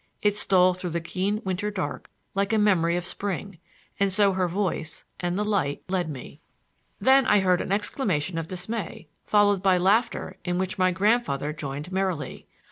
It stole through the keen winter dark like a memory of spring; and so her voice and the light led me. Then I heard an exclamation of dismay followed by laughter in which my grandfather joined merrily.